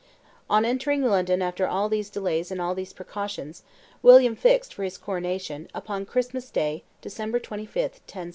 On entering London after all these delays and all these precautions, William fixed, for his coronation, upon Christmas day, December 25th, 1066.